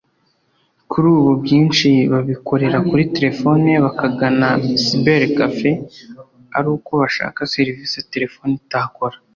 Kuri ubu byinshi babikorera kuri telefone bakagana cybercafé ari uko bashaka serivisi telefone itakora